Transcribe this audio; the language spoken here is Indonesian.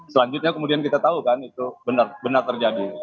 selanjutnya kemudian kita tahu kan itu benar benar terjadi